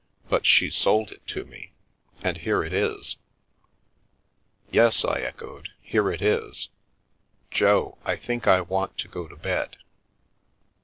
But she sold it to me. And here it is." " Yes," I echoed, " here it is. Jo, I think I want to go to bed."